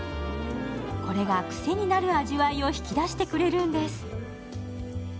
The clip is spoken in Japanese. これが、クセになる味わいを引き出してくれるんです。